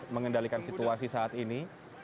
mengendalikan situasi saat ini